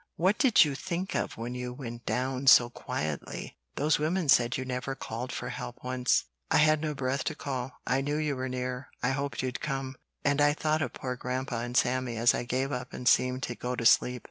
"What did you think of when you went down so quietly? Those women said you never called for help once." "I had no breath to call. I knew you were near, I hoped you'd come, and I thought of poor Grandpa and Sammy as I gave up and seemed to go to sleep."